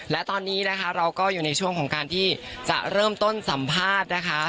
และตอนนี้นะคะเราก็อยู่ในช่วงของการที่จะเริ่มต้นสัมภาษณ์นะคะ